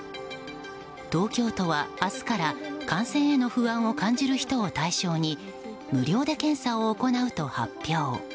東京都は明日から感染への不安を感じる人を対象に無料で検査を行うと発表。